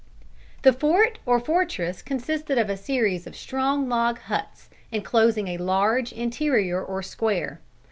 The fort or fortress consisted of a series of strong log huts, enclosing a large interior or square.